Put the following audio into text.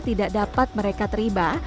tidak dapat mereka teribah